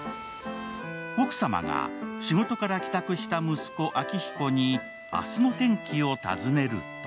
奥様が仕事から帰宅した息子・昭彦に明日の天気を尋ねると